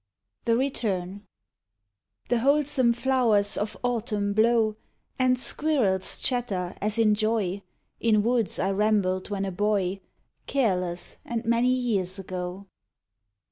THE RETURN The wholesome flowers of autumn blow And squirrels chatter as in joy, In woods I rambled when a boy, Careless, and many years ago.